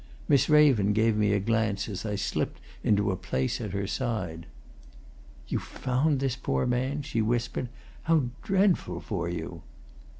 Miss Raven gave me a glance as I slipped into a place at her side. "You found this poor man?" she whispered. "How dreadful for you!"